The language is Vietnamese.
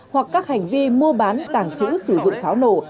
hoặc các hành vi mua bán tảng chữ sử dụng pháo nổ